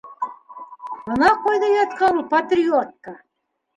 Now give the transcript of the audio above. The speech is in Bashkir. Бына ҡайҙа ятҡан ул патриотка!